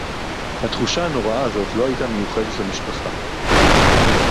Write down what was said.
התחושה הנוראה הזאת לא היתה מיוחדת למשפחה